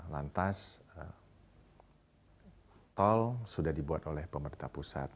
lantas tol sudah dibuat oleh pemerintah pusat